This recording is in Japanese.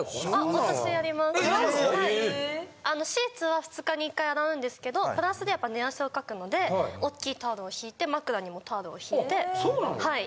シーツは２日に１回洗うんですけどプラスでやっぱ寝汗をかくので大きいタオルをひいて枕にもタオルをひいてはい。